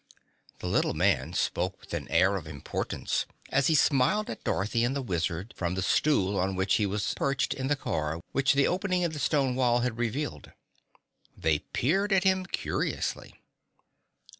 The little man spoke with an air of importance, as he smiled at Dorothy and the Wizard from the stool on which he was perched in the car which the opening in the stone wall had revealed. They peered at him curiously.